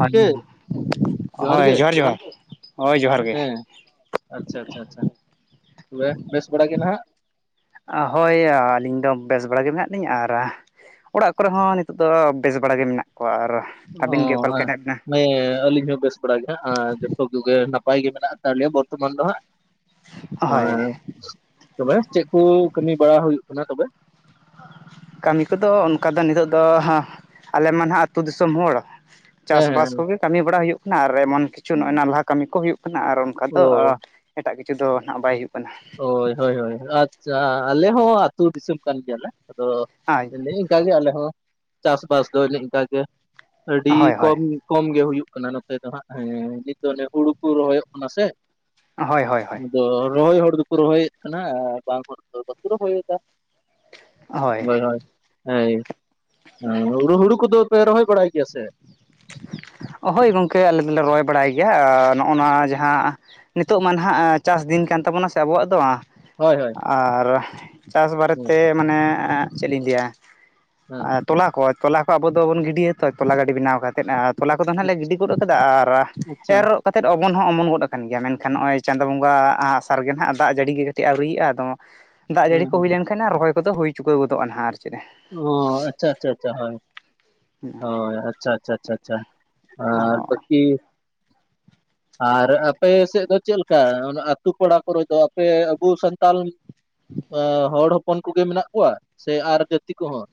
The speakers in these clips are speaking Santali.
ᱜᱚᱝᱠᱮ ᱦᱳᱭ ᱡᱚᱦᱟᱨ ᱡᱚᱦᱟᱨ ᱦᱳᱭ ᱡᱚᱦᱟᱨ ᱜᱮ ᱦᱮᱸ ᱟᱪᱪᱷᱟ ᱟᱪᱪᱷᱟ ᱟᱪᱪᱷᱟ ᱛᱚᱵᱮ ᱵᱮᱥ ᱵᱟᱲᱟ ᱜᱮ ᱱᱟᱦᱟᱜ ᱦᱳᱭ ᱟᱹᱞᱤᱧ ᱫᱚ ᱵᱮᱥ ᱵᱟᱲᱟ ᱜᱮ ᱢᱮᱱᱟᱜ ᱞᱤᱧᱟ ᱟᱨ ᱚᱲᱟᱜ ᱠᱚᱨᱮ ᱦᱚᱸ ᱱᱤᱛᱚᱜ ᱫᱚ ᱵᱮᱥ ᱵᱟᱲᱟ ᱜᱮ ᱢᱮᱱᱟᱜ ᱠᱚᱣᱟ ᱟᱨ ᱚ ᱟᱹᱵᱤᱱ ᱜᱮ ᱚᱠᱟ ᱞᱮᱠᱟ ᱦᱮᱱᱟᱜ ᱵᱤᱱᱟ ᱦᱮᱸ ᱟᱹᱞᱤᱧ ᱦᱚᱸ ᱵᱮᱥ ᱵᱟᱲᱟ ᱜᱮ ᱦᱟᱸᱜ ᱡᱚᱛᱚ ᱠᱚᱜᱮ ᱱᱟᱯᱟᱭ ᱜᱮ ᱢᱮᱱᱟᱜ ᱟᱠᱟᱫᱞᱮᱭᱟ ᱵᱚᱨᱛᱚᱢᱟᱱ ᱫᱚ ᱦᱟᱸᱜ᱾ ᱦᱳᱭ ᱟᱨ ᱛᱚᱵᱮ ᱪᱮᱫ ᱠᱚ ᱠᱟᱹᱢᱤ ᱵᱟᱲᱟ ᱦᱩᱭᱩᱜ ᱠᱟᱱᱟ ᱛᱚᱵᱮ? ᱠᱟᱹᱢᱤ ᱠᱚᱫᱚ ᱚᱱᱠᱟ ᱫᱚ ᱱᱤᱛᱚᱜ ᱫᱚ ᱟᱞᱮᱢᱟ ᱱᱟᱦᱟᱜ ᱟᱹᱛᱩ ᱫᱤᱥᱚᱢ ᱦᱚᱲ᱾ ᱪᱟᱥ ᱦᱮᱸ ᱵᱟᱥ ᱦᱮᱸ ᱠᱚᱜᱮ ᱠᱟᱹᱢᱤ ᱵᱟᱲᱟ ᱦᱩᱭᱩᱜ ᱠᱟᱱᱟ ᱟᱨ ᱮᱢᱚᱱ ᱠᱤᱪᱷᱩ ᱱᱚᱜ-ᱚᱭ ᱱᱚᱞᱦᱟ ᱠᱟᱹᱢᱤ ᱠᱚ ᱦᱩᱭᱩᱜ ᱠᱟᱱᱟ ᱟᱨ ᱚᱱᱠᱟ ᱚ ᱫᱚ ᱮᱴᱟᱜ ᱠᱤᱪᱷᱩ ᱫᱚ ᱱᱟᱦᱟᱜ ᱵᱟᱭ ᱦᱩᱭᱩᱜ ᱠᱟᱱᱟ᱾ ᱦᱳᱭ ᱦᱳᱭ ᱦᱳᱭ ᱟᱪᱪᱷᱟ ᱟᱞᱮ ᱦᱚᱸ ᱟᱹᱛᱩ ᱫᱤᱥᱚᱢ ᱠᱟᱱ ᱜᱮᱭᱟᱞᱮ, ᱟᱫᱚ ᱟᱭ [inaudible] ᱞᱟᱹᱭ ᱭᱤᱜᱟᱹᱧ ᱤᱱᱠᱟ ᱜᱮ ᱦᱚᱸ ᱪᱟᱥ ᱵᱟᱥ ᱫᱚ ᱚᱱᱮ ᱚᱝᱠᱟ ᱜᱮ ᱟᱹᱰᱤ ᱦᱳᱭ ᱦᱳᱭ ᱠᱚᱢ ᱠᱚᱢ ᱜᱮ ᱦᱩᱭᱩᱜ ᱠᱟᱱᱟ ᱱᱚᱛᱮ ᱫᱚ ᱦᱟᱸᱜ ᱦᱮᱸ ᱱᱤᱛ ᱫᱚ ᱚᱱᱮ ᱦᱩᱲᱩ ᱠᱚ ᱨᱚᱦᱚᱭᱚᱜ ᱠᱟᱱᱟ ᱥᱮ? ᱦᱚᱭ ᱦᱚᱭ ᱦᱚᱭ᱾ ᱟᱫᱚ ᱨᱚᱦᱚᱭ ᱦᱚᱲ ᱫᱚᱠᱚ ᱨᱚᱦᱚᱭᱮᱫ ᱠᱟᱱᱟ ᱵᱟᱝ ᱦᱚᱲ ᱫᱚ ᱵᱟᱠᱚ ᱨᱚᱦᱚᱭᱮᱫᱟ᱾ ᱦᱳᱭ ᱦᱳᱭ ᱦᱭᱩ ᱦᱩᱲᱩ ᱠᱚᱫᱚ ᱯᱮ ᱨᱚᱦᱚᱭ ᱵᱟᱲᱟᱭ ᱜᱮᱭᱟ ᱥᱮ? ᱦᱳᱭ ᱜᱚᱝᱠᱮ ᱟᱞᱮ ᱫᱚᱞᱮ ᱨᱚᱦᱚᱭ ᱵᱟᱲᱟᱭ ᱜᱮᱭᱟ ᱱᱚᱜᱼᱚ ᱱᱟ ᱡᱟᱦᱟᱸ ᱱᱤᱛᱚᱜ ᱢᱟ ᱱᱟᱦᱟᱜ ᱪᱟᱥ ᱫᱤᱱ ᱠᱟᱱ ᱛᱟᱵᱚᱱᱟ ᱥᱮ ᱟᱵᱚᱣᱟᱜ ᱫᱚ ᱦᱳᱭ ᱦᱳᱭ ᱟᱨ ᱪᱟᱥ ᱦᱮᱸ ᱵᱟᱨᱮᱛᱮ ᱢᱟᱱᱮ ᱪᱮᱫᱞᱤᱧ ᱞᱟᱹᱭᱟ ᱦᱮᱸ ᱛᱚᱞᱟᱠᱚ ᱛᱚᱞᱟ ᱠᱚ ᱟᱵᱚ ᱫᱚᱵᱚᱱ ᱜᱤᱰᱤᱭᱟᱛᱚ ᱛᱚᱞᱟ ᱜᱟᱹᱰᱤ ᱵᱮᱱᱟᱣ ᱠᱟᱛᱮᱫ ᱟᱨ ᱛᱚᱞᱟ ᱠᱚᱫᱚ ᱱᱟᱦᱟᱜ ᱞᱮ ᱜᱤᱰᱤ ᱜᱚᱫ ᱠᱟᱫᱟ ᱟᱨ ᱟᱪᱪᱷᱟ ᱮᱨ ᱠᱟᱛᱮᱫ ᱚᱢᱚᱱ ᱦᱚᱸ ᱚᱢᱚᱱ ᱜᱚᱫ ᱟᱠᱟᱱ ᱜᱮᱭᱟ ᱢᱮᱱᱠᱷᱟᱱ ᱱᱚᱜᱼᱚᱭ ᱪᱟᱸᱫᱚ ᱵᱚᱸᱜᱟ ᱟᱥᱟ ᱨᱮᱜᱮ ᱱᱟᱦᱟᱜ ᱫᱟᱜ ᱡᱟᱹᱲᱤ ᱜᱮ ᱠᱟᱹᱴᱤᱡ ᱟᱹᱣᱨᱤᱭᱟᱼᱟ ᱟᱫᱚ ᱫᱟᱜ ᱡᱟᱹᱲᱤ ᱦᱮᱸ ᱠᱚ ᱦᱮᱸ ᱦᱩᱭ ᱞᱮᱱᱠᱷᱟᱱ ᱨᱚᱦᱚᱭ ᱠᱚᱫᱚ ᱦᱩᱭ ᱪᱩᱠᱟᱹᱣ ᱜᱚᱫᱚᱜᱼᱟ ᱱᱟᱦᱟᱜ ᱟᱨ ᱪᱮᱫ ᱚ ᱟᱪᱪᱷᱟ ᱟᱪᱪᱷᱟ ᱟᱪᱪᱷᱟ ᱦᱳᱭ ᱚ ᱟᱪᱪᱷᱟ ᱟᱪᱪᱷᱟ ᱟᱪᱪᱷᱟ ᱟᱪᱪᱷᱟ ᱟᱨ ᱚ ᱵᱟᱠᱤ [inaudible] ᱟᱨ ᱟᱯᱮ ᱥᱮᱫ ᱫᱚ ᱪᱮᱫᱞᱮᱠᱟ ᱟᱹᱛᱩ ᱯᱟᱲᱟ ᱠᱚᱨᱮ ᱫᱚ ᱟᱯᱮ ᱟᱵᱩ ᱥᱟᱱᱛᱟᱞ ᱦᱚᱲ ᱦᱚᱯᱚᱱ ᱠᱩᱜᱮ ᱢᱮᱱᱟᱜ ᱠᱚᱣᱟ ᱥᱮ ᱟᱨ ᱡᱟᱹᱛᱤ ᱠᱚᱦᱚᱸ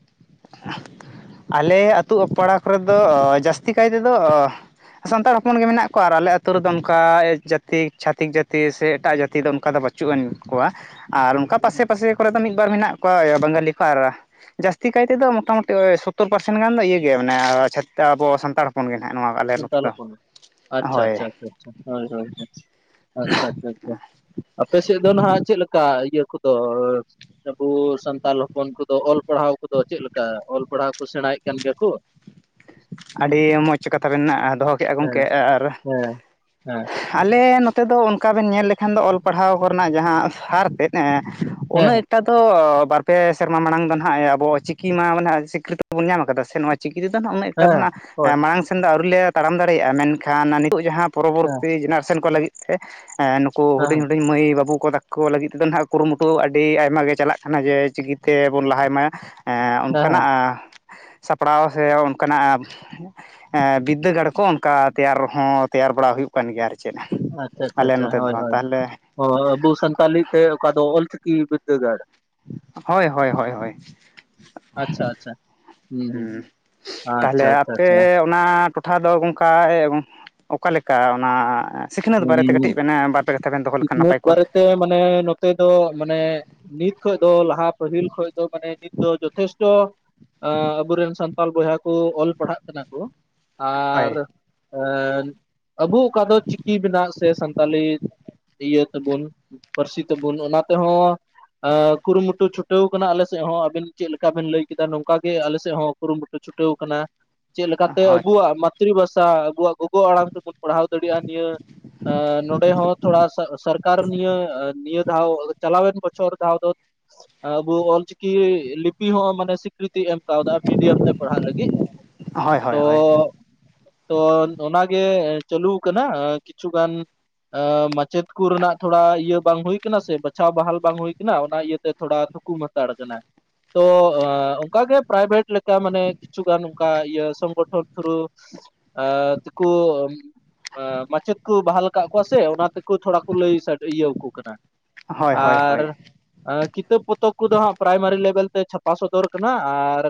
ᱟᱞᱮ ᱟᱹᱛᱩ ᱯᱟᱲᱟ ᱠᱚᱨᱮ ᱫᱚ ᱡᱟᱹᱥᱛᱤ ᱠᱟᱭ ᱛᱮᱫᱚ ᱥᱟᱱᱛᱟᱲ ᱦᱚᱯᱚᱱ ᱜᱮ ᱢᱮᱱᱟᱜ ᱠᱚᱣᱟ ᱟᱨ ᱟᱞᱮ ᱟᱛᱳ ᱨᱮᱫᱚ ᱚᱝᱠᱟ ᱡᱟᱹᱛᱤ ᱪᱷᱟᱛᱤᱠ ᱡᱟᱹᱛᱤ ᱥᱮ ᱮᱴᱟᱜ ᱡᱟᱹᱛᱤ ᱫᱚ ᱚᱝᱠᱟ ᱫᱚ ᱵᱟᱪ ᱪᱩᱜ ᱟᱱ ᱠᱚᱣᱟ ᱟᱨ ᱵᱟᱹᱱᱩᱜ ᱚᱱᱠᱟ ᱠᱚᱣᱟ ᱯᱟᱥᱮ ᱯᱟᱥᱮ ᱠᱚᱨᱮ ᱫᱚ ᱢᱤᱫ ᱵᱟᱨ ᱢᱮᱱᱟᱜ ᱠᱚᱣᱟ ᱵᱟᱝᱟᱞᱤ ᱠᱚ ᱟᱨ ᱛᱤ ᱠᱟᱭ ᱛᱮᱫᱚ ᱢᱚᱴᱟᱢᱩᱴᱤ ᱥᱳᱛᱳᱨ ᱯᱟᱨᱥᱮᱱ ᱜᱟᱱ ᱫᱚ ᱤᱭᱟᱹ ᱜᱮᱭᱟ ᱢᱟᱱᱮ ᱪᱷᱟ ᱟᱵᱚ ᱥᱟᱱᱛᱟᱲ ᱦᱚᱯᱚᱱ ᱜᱮ ᱱᱟᱦᱟᱜ ᱱᱚᱣᱟ ᱟᱞᱮ ᱱᱚᱛᱮ ᱫᱚ ᱟᱪᱪᱷᱟ ᱦᱳᱭ ᱟᱪᱪᱷᱟ ᱟᱪᱪᱷᱟ ᱟᱪᱪᱷᱟ ᱦᱳᱭ ᱦᱳᱭ ᱟᱪᱪᱷᱟ ᱟᱪᱪᱷᱟ ᱟᱪᱪᱷᱟ ᱟᱯᱮ ᱥᱮᱫ ᱫᱚ ᱱᱟᱜ ᱪᱮᱫᱞᱮᱠᱟ ᱤᱭᱟᱹ ᱠᱚᱫᱚ ᱟᱵᱚ ᱥᱟᱱᱛᱟᱞ ᱦᱚᱯᱚᱱ ᱠᱚᱫᱚ ᱚᱞ ᱯᱟᱲᱦᱟᱣ ᱠᱚᱫᱚ ᱪᱮᱫᱞᱮᱠᱟ ᱚᱞ ᱯᱟᱲᱦᱟᱣ ᱠᱚ ᱥᱮᱬᱟᱭᱮᱫ ᱠᱟᱱ ᱜᱮᱭᱟ ᱠᱚ ᱟᱹᱰᱤ ᱢᱚᱡᱽ ᱠᱟᱛᱷᱟ ᱵᱮᱱᱫᱚᱦᱚ ᱦᱮᱸ-ᱦᱮᱸ-ᱦᱮᱸ ᱟᱞᱮ ᱱᱚᱛᱮ ᱫᱚ ᱚᱱᱠᱟ ᱵᱮᱱ ᱧᱮᱞ ᱞᱮᱠᱷᱟᱱ ᱫᱚ ᱚᱞ ᱯᱟᱲᱦᱟᱣ ᱠᱚᱨᱮᱱᱟᱜ ᱡᱟᱦᱟᱸ ᱦᱟᱨ ᱛᱮᱫ ᱦᱮᱸ ᱩᱱᱟᱹᱜ ᱴᱟ ᱫᱚ ᱵᱟᱨᱯᱮ ᱥᱮᱨᱢᱟ ᱢᱟᱲᱟᱝ ᱫᱚ ᱱᱟᱦᱟᱜ ᱟᱵᱚ ᱪᱤᱠᱤ ᱢᱟ ᱢᱟᱱᱮ ᱥᱤᱠᱨᱤᱛᱤ ᱵᱚᱱ ᱧᱟᱢ ᱟᱠᱟᱫᱟ ᱥᱮ ᱱᱚᱜᱼᱚᱭ ᱪᱤᱠᱤ ᱛᱮᱫᱚ ᱱᱟᱹᱜ ᱩᱱᱟᱹᱜ ᱮᱠᱴᱟ ᱫᱚ ᱦᱮᱸ ᱦᱳᱭ ᱦᱟᱜ ᱢᱟᱲᱟᱝ ᱥᱮᱱ ᱫᱚ ᱟᱹᱣᱨᱤ ᱞᱮ ᱛᱟᱲᱟᱢ ᱫᱟᱲᱮᱭᱟᱜᱼᱟ ᱢᱮᱱᱠᱷᱟᱱ ᱱᱤᱛᱚᱜ ᱡᱟᱦᱟᱸ ᱯᱚᱨᱚᱵ ᱦᱮᱸ ᱨᱤ ᱡᱮᱱᱟᱨᱮᱥᱮᱱ ᱠᱚ ᱞᱟᱹᱜᱤᱫ ᱛᱮ ᱱᱩᱠᱩ ᱦᱩᱰᱤᱧ ᱦᱮᱸ ᱦᱩᱰᱤᱧ ᱢᱟᱹᱭ ᱵᱟᱹᱵᱩ ᱠᱚ ᱛᱟᱠᱚ ᱠᱚ ᱞᱟᱹᱜᱤᱫ ᱛᱮᱫᱚ ᱱᱟᱜ ᱠᱩᱨᱩᱢᱩᱴᱩ ᱟᱹᱰᱤ ᱟᱭᱢᱟᱜ ᱜᱮ ᱪᱟᱞᱟᱜ ᱠᱟᱱᱟ ᱡᱮ ᱪᱤᱠᱤ ᱛᱮᱵᱚᱱ ᱞᱟᱦᱟᱭ ᱢᱟ ᱦᱮᱸ ᱦᱮᱸ ᱚᱱᱠᱟᱱᱟᱜ ᱥᱟᱯᱲᱟᱣ ᱥᱮ ᱚᱱᱠᱟᱱᱟᱜ ᱵᱤᱫᱽᱫᱟᱹᱜᱟᱲ ᱠᱚ ᱚᱱᱠᱟ ᱛᱮᱭᱟᱨ ᱦᱚᱸ ᱛᱮᱭᱟᱨ ᱵᱟᱲᱟ ᱦᱩᱭᱩᱜ ᱠᱟᱱ ᱜᱮᱭᱟ ᱟᱨᱠᱤ ᱪᱮᱫ ᱟᱪᱪᱷᱟ ᱟᱪᱪᱷᱟ ᱟᱞᱮ ᱟᱪᱪᱷᱟ ᱱᱚᱛᱮ ᱦᱳᱭ ᱫᱚ ᱦᱳᱭ ᱛᱟᱦᱚᱞᱮ ᱚ ᱟᱵᱚ ᱥᱟᱱᱛᱟᱞᱤ ᱛᱮ ᱚᱠᱟ ᱫᱚ ᱚᱞᱪᱤᱠᱤ ᱵᱤᱫᱽᱫᱟᱹᱜᱟᱲ ᱦᱳᱭ ᱦᱳᱭ ᱦᱳᱭ ᱦᱳᱭ ᱟᱪᱪᱷᱟ ᱟᱪᱪᱷᱟ ᱦᱩᱸ ᱦᱩᱸ ᱛᱟᱦᱞᱮ ᱟᱪᱪᱷᱟ ᱟᱪᱪᱷᱟ ᱟᱯᱮ ᱟᱪᱪᱷᱟ ᱚᱱᱟ ᱴᱚᱴᱷᱟ ᱫᱚ ᱜᱚᱝᱠᱟ ᱚᱠᱟᱞᱮᱠᱟ ᱚᱱᱟ ᱥᱤᱠᱷᱱᱟᱹᱛ ᱵᱟᱨᱮᱛᱮ ᱠᱟᱹᱴᱤᱡ ᱦᱩᱸ ᱵᱮᱱᱟ ᱵᱟᱨ ᱯᱮ ᱠᱟᱛᱷᱟ ᱵᱮᱱ ᱫᱚᱦᱚ ᱞᱮᱠᱷᱟᱱ ᱥᱤᱠᱷᱱᱟᱹᱛ ᱱᱟᱯᱟᱭ ᱠᱚᱜᱼᱟ ᱵᱟᱨᱮᱛᱮ ᱢᱟᱱᱮ ᱛᱮ ᱫᱚ ᱢᱟᱱᱮ ᱱᱤᱛ ᱠᱷᱚᱡ ᱫᱚ ᱞᱟᱦᱟ ᱯᱟᱹᱦᱤᱞ ᱠᱷᱚᱡ ᱫᱚ ᱢᱟᱱᱮ ᱱᱤᱛ ᱫᱚ ᱡᱚᱛᱷᱮᱥᱴᱚ ᱟᱵᱚᱨᱮᱱ ᱥᱟᱱ ᱛᱟᱞ ᱵᱚᱭᱦᱟ ᱠᱚ ᱚᱞ ᱯᱟᱲᱦᱟᱜ ᱠᱟᱱᱟ ᱠᱚ ᱦᱳᱭ ᱟᱨ ᱟᱵᱩ ᱚᱠᱟ ᱫᱚ ᱪᱤᱠᱤ ᱢᱮᱱᱟᱜ ᱥᱮ ᱥᱟᱱᱛᱟᱞᱤ ᱤᱭᱟᱹ ᱛᱮᱵᱚᱱ ᱯᱟᱹᱨᱥᱤ ᱛᱮᱵᱩᱱ ᱚᱱᱟ ᱛᱮᱦᱚᱸ ᱠᱩᱨᱩᱢᱩᱴᱩ ᱪᱷᱩᱴᱟᱹᱣ ᱠᱟᱱᱟ ᱟᱞᱮ ᱥᱮᱫ ᱦᱚᱸ ᱟᱹᱵᱤᱱ ᱪᱮᱫ ᱞᱮᱠᱟ ᱵᱤᱱ ᱞᱟᱹᱭ ᱠᱮᱫᱟ ᱱᱚᱝᱠᱟ ᱜᱮ ᱟᱞᱮ ᱥᱮᱫ ᱦᱚᱸ ᱠᱩᱨᱩᱢᱩᱴᱩ ᱪᱷᱩ ᱴᱟᱹᱣ ᱠᱟᱱᱟ ᱪᱮᱫ ᱞᱮᱠᱟᱛᱮ ᱦᱳᱭ ᱟᱵᱩᱣᱟᱜ ᱢᱟᱛᱨᱤ ᱵᱷᱟᱥᱟ ᱟᱵᱚᱣᱟᱜ ᱜᱚᱜᱚ ᱟᱲᱟᱝ ᱛᱮᱵᱩᱱ ᱯᱟᱲᱦᱟᱣ ᱫᱟᱲᱮᱭᱟᱜᱼᱟ ᱱᱤᱭᱟᱹ ᱱᱚᱰᱮ ᱦᱚᱸ ᱛᱷᱚᱲᱟ ᱥᱟᱨᱠᱟᱨ ᱱᱤᱭᱟᱹ ᱱᱤᱭᱟᱹ ᱫᱷᱟᱣ ᱪᱟᱞᱟᱣᱮᱱ ᱵᱚᱪᱷᱚᱨ ᱫᱷᱟᱣ ᱫᱚ ᱟᱵᱚ ᱚᱞᱪᱤᱠᱤ ᱞᱤᱯᱤ ᱦᱚᱸ ᱢᱟᱱᱮ ᱥᱤᱠᱨᱤᱛᱤ ᱮᱢ ᱠᱟᱣᱫᱟ ᱢᱤᱰᱤᱭᱟᱢ ᱛᱮ ᱯᱟᱲᱦᱟᱜ ᱞᱟᱹᱜᱤᱫ ᱦᱳᱭ ᱦᱳᱭ ᱛᱚ ᱦᱳᱭ ᱛᱚ ᱚᱱᱟᱜᱮ ᱪᱟᱹᱞᱩ ᱟᱠᱟᱱᱟ ᱠᱤᱪᱷᱩ ᱜᱟᱱ ᱢᱟᱪᱮᱫ ᱠᱚ ᱨᱮᱱᱟᱜ ᱛᱷᱚᱲᱟ ᱤᱭᱟᱹ ᱵᱟᱝ ᱦᱩᱭ ᱠᱟᱱᱟ ᱥᱮ ᱵᱟᱪᱷᱟᱣ ᱵᱟᱦᱟᱞ ᱵᱟᱝ ᱦᱩᱭ ᱠᱟᱱᱟ ᱚᱱᱟ ᱤᱭᱟᱹᱛᱮ ᱛᱷᱚᱲᱟ ᱛᱷᱩᱠᱩᱢ ᱦᱟᱛᱟᱲ ᱠᱟᱱᱟ ᱛᱚ ᱚᱱᱠᱟᱜᱮ ᱯᱨᱟᱭᱵᱷᱮᱴ ᱞᱮᱠᱟ ᱢᱟᱱᱮ ᱠᱤᱪᱷᱩᱜᱟᱱ ᱚᱱᱠᱟ ᱤᱭᱟᱹ ᱥᱚᱝᱜᱚᱴᱷᱚᱱ ᱛᱷᱨᱩ ᱛᱮᱠᱚ ᱢᱟᱪᱮᱫ ᱠᱩ ᱵᱟᱦᱟᱞ ᱠᱟᱜ ᱠᱚᱣᱟ ᱥᱮ ᱚᱱᱟ ᱛᱮᱠᱚ ᱛᱷᱚᱲᱟ ᱠᱚ ᱞᱟᱹᱭ ᱤᱭᱟᱹᱠᱚ ᱠᱟᱱᱟ, ᱦᱳᱭ ᱟᱨ ᱦᱳᱭ ᱦᱳᱭ ᱠᱤᱛᱟᱹᱵ ᱯᱚᱛᱚᱵ ᱠᱚᱫᱚ ᱦᱟᱸᱜ ᱯᱨᱟᱭᱢᱟᱨᱤ ᱞᱮᱵᱮᱞ ᱛᱮ ᱪᱷᱟᱯᱟ ᱥᱚᱫᱚᱨ ᱠᱟᱱᱟ, ᱟᱨ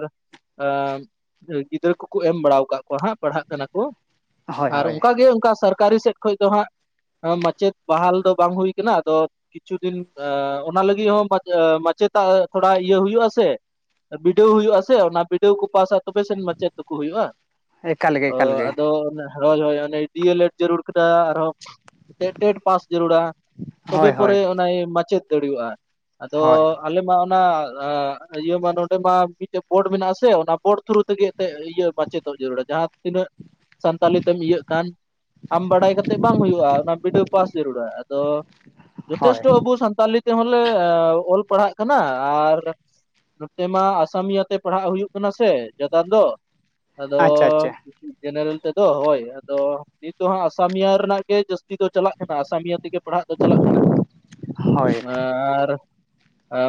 ᱜᱤᱫᱽᱨᱟᱹ ᱠᱚᱠᱚ ᱮᱢ ᱵᱟᱲᱟ ᱟᱠᱟᱫ ᱠᱚᱣᱟ ᱦᱟᱸᱜ ᱯᱟᱲᱦᱟᱜ ᱠᱟᱱᱟ ᱠᱚ᱾ ᱦᱳᱭ ᱟᱨ ᱦᱳᱭ ᱚᱱᱠᱟᱜᱮ ᱚᱱᱠᱟ ᱥᱚᱨᱠᱟᱨᱤ ᱥᱮᱫ ᱠᱷᱚᱡ ᱫᱚ ᱦᱟᱸᱜ ᱦᱮᱸ ᱢᱟᱪᱮᱫ ᱵᱟᱦᱟᱞ ᱫᱚ ᱵᱟᱝ ᱦᱩᱭ ᱠᱟᱱᱟ ᱟᱫᱚ ᱠᱤᱪᱷᱩ ᱫᱤᱱ ᱚᱱᱟ ᱞᱟᱹᱜᱤᱫ ᱦᱚᱸ ᱢᱟᱪᱮᱫᱟᱜ ᱛᱷᱚᱲᱟ ᱤᱭᱟᱹ ᱦᱩᱭᱩᱜ ᱟᱥᱮ, ᱵᱤᱰᱟᱹᱣ ᱦᱩᱭᱩᱜ ᱟ ᱥᱮ ᱚᱱᱟ ᱵᱤᱰᱟᱹᱣ ᱠᱚ ᱯᱟᱥᱟ ᱛᱚᱵᱮ ᱥᱮᱱ ᱢᱟᱪᱮᱫ ᱫᱚᱠᱚ ᱦᱩᱭᱩᱜᱼᱟ, ᱮᱠᱟᱞ ᱜᱮ ᱮᱠᱟᱞ ᱜᱮ ᱟᱫᱚ ᱦᱳᱭ ᱦᱳᱭ ᱚᱱᱮ ᱰᱤ ᱮᱞ ᱮᱰ ᱡᱟᱹᱨᱩᱲ ᱟᱨᱦᱚᱸ ᱴᱮᱴ ᱯᱟᱥ ᱡᱟᱹᱨᱩᱲᱟ ᱛᱚᱵᱮ ᱦᱳᱭ ᱦᱳᱭ ᱯᱚᱨᱮ ᱚᱱᱟᱭ ᱢᱟᱪᱮᱫ ᱫᱟᱲᱮᱭᱟᱜᱼᱟ᱾ ᱟᱫᱚ ᱦᱳᱭ ᱟᱞᱮ ᱢᱟ ᱚᱱᱟ ᱤᱭᱟᱹ ᱢᱟ ᱱᱚᱰᱮ ᱢᱟ ᱢᱤᱫᱴᱮᱡ ᱵᱳᱨᱰ ᱢᱮᱱᱟᱜ ᱟᱥᱮ ᱚᱱᱟ ᱵᱳᱨᱰ ᱛᱷᱨᱩ ᱛᱮᱜᱮ ᱤᱭᱟᱹ ᱢᱟᱪᱮᱫᱚᱜ ᱡᱟᱹᱨᱩᱲᱟ ᱡᱟᱦᱟᱸ ᱛᱤᱱᱟᱹᱜ ᱥᱟᱱᱛᱟᱞᱤ ᱛᱮᱢ ᱤᱭᱟᱹᱜ ᱠᱟᱱ, ᱟᱢ ᱵᱟᱰᱟᱭ ᱠᱟᱛᱮᱫ ᱵᱟᱝ ᱦᱩᱭᱩᱜᱼᱟ, ᱚᱱᱟ ᱵᱤᱰᱟᱣ ᱯᱟᱥ ᱡᱟᱹᱨᱩᱲᱟ ᱟᱫᱚ ᱦᱳᱭ ᱡᱚᱛᱷᱮᱥᱴᱚ ᱟᱵᱚ ᱥᱟᱱᱛᱟᱞᱤ ᱛᱮᱦᱚᱸᱞᱮ ᱚᱞ ᱯᱟᱲᱦᱟᱜ ᱠᱟᱱᱟ, ᱟᱨ ᱱᱚᱛᱮ ᱢᱟ ᱟᱥᱟᱢᱤᱭᱟ ᱛᱮ ᱯᱟᱲᱦᱟᱜ ᱦᱩᱭᱩᱜ ᱠᱟᱱᱟ ᱥᱮ ᱡᱟᱫᱟ ᱫᱚ, ᱟᱪᱪᱷᱟ ᱟᱫᱚ ᱟᱪᱪᱷᱟ ᱡᱮᱱᱟᱨᱮᱞ ᱛᱮ ᱫᱚ ᱦᱳᱭ ᱟᱫᱚ, ᱫᱚ ᱦᱟᱸᱜ ᱟᱥᱟᱢᱤᱭᱟᱹ ᱨᱮᱱᱟᱜ ᱜᱮ ᱡᱟᱹᱥᱛᱤ ᱫᱚ ᱪᱟᱞᱟᱜ ᱠᱟᱱᱟ ᱟᱥᱟᱢᱤᱭᱟᱹ ᱛᱮᱜᱮ ᱯᱟᱲᱦᱟᱜ ᱫᱚ ᱪᱟᱞᱟᱜ ᱠᱟᱱᱟ, ᱦᱳᱭ ᱟᱨ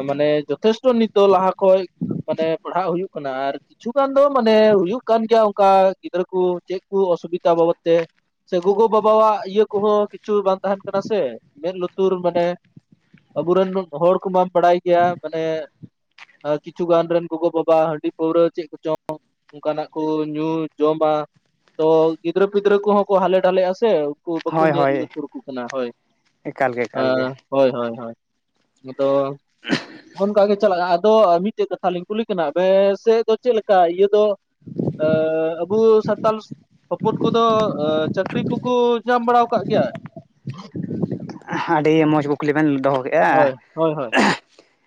ᱢᱟᱱᱮ ᱡᱚᱛᱷᱮᱥᱴᱚ ᱱᱤᱛᱚᱜ ᱞᱟᱦᱟ ᱠᱷᱚᱡ ᱢᱟᱱᱮ ᱯᱟᱲᱦᱟᱜ ᱦᱩᱭᱩᱜ ᱠᱟᱱᱟ, ᱟᱨ ᱠᱤᱪᱷᱩ ᱜᱟᱱ ᱫᱚ ᱢᱟᱱᱮ ᱦᱩᱭᱩᱜ ᱠᱟᱱ ᱜᱮᱭᱟ ᱚᱱᱠᱟ ᱜᱤᱫᱽᱨᱟᱹ ᱠᱚ ᱪᱮᱫ ᱠᱚ ᱚᱥᱩᱵᱤᱫᱟ ᱵᱟᱵᱚᱫ ᱛᱮ, ᱥᱮ ᱜᱚᱜᱚ ᱵᱟᱵᱟᱣᱟᱜ ᱤᱭᱟᱹ ᱠᱚᱦᱚᱸ ᱠᱤᱪᱷᱩ ᱵᱟᱝ ᱛᱟᱦᱮᱱ ᱠᱟᱱᱟ ᱥᱮ ᱢᱮᱸᱫ ᱞᱩᱛᱩᱨ ᱢᱟᱱᱮ ᱟᱵᱚᱨᱮᱱ ᱦᱚᱲ ᱠᱚᱢᱟᱢ ᱵᱟᱲᱟᱭ ᱜᱮᱭᱟ ᱢᱟᱱᱮ ᱠᱤᱪᱷᱩ ᱜᱟᱱ ᱨᱮᱱ ᱜᱚᱜᱚ ᱵᱟᱵᱟ ᱦᱟᱺᱰᱤ ᱯᱟᱹᱣᱨᱟᱹ ᱪᱮᱫ ᱠᱚ ᱪᱚᱝ ᱚᱱᱠᱟᱱᱟᱜ ᱠᱚ ᱧᱩ ᱡᱚᱢᱟ ᱛᱚ ᱜᱤᱫᱽᱨᱟᱹ ᱯᱤᱫᱽᱨᱟᱹ ᱠᱚᱦᱚᱸ ᱠᱚ ᱦᱟᱞᱮ ᱰᱷᱟᱞᱮᱜᱼᱟ ᱥᱮ, ᱵᱟᱠᱚ ᱦᱳᱭ ᱧᱮᱞ ᱦᱳᱭ ᱞᱩᱛᱩᱨ ᱠᱚ ᱠᱟᱱᱟ ᱦᱳᱭ, ᱮᱠᱟᱞ ᱜᱮ ᱮᱠᱟᱞ ᱜᱮ ᱦᱳᱭ ᱦᱳᱭ ᱦᱳᱭ ᱟᱫᱚ ᱚᱱᱠᱟ ᱜᱮ ᱪᱟᱞᱟᱜᱼᱟ ᱟᱫᱚ ᱢᱤᱫᱴᱮᱡ ᱠᱟᱛᱷᱟ ᱞᱤᱧ ᱠᱩᱞᱤ ᱠᱟᱱᱟ ᱟᱯᱮᱥᱮᱫ ᱫᱚ ᱪᱮᱫ ᱞᱮᱠᱟ ᱤᱭᱟᱹ ᱫᱚ ᱟᱵᱚ ᱥᱟᱱᱛᱟᱞᱥ ᱦᱚᱯᱚᱱ ᱠᱚᱫᱚ ᱪᱟᱹᱠᱨᱤ ᱠᱚᱠᱚ ᱧᱟᱢ ᱵᱟᱲᱟ ᱟᱠᱟᱫ ᱜᱮᱭᱟ? ᱟᱹᱰᱤ ᱢᱚᱡᱽ ᱠᱩᱠᱞᱤ ᱵᱮᱱ ᱫᱚᱦᱚ ᱠᱮᱫᱼᱟ, ᱦᱳᱭ ᱦᱳᱭ ᱦᱳᱭ ᱦᱳᱭ